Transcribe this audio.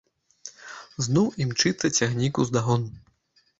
Зноў імчыцца цягнік уздагон.